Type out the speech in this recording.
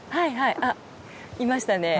あっいましたね。